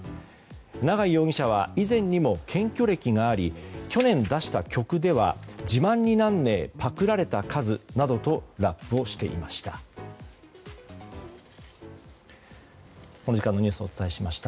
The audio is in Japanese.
永井容疑者は以前にも検挙歴があり去年出した曲では自慢になんねぇパクられた数などとラップをしていました。